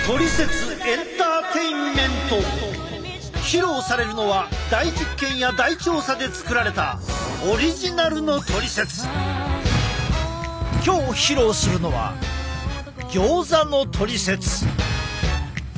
披露されるのは大実験や大調査で作られた今日披露するのはギョーザのトリセツ。